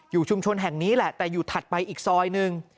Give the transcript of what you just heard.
ชุมชนแห่งนี้แหละแต่อยู่ถัดไปอีกซอยหนึ่ง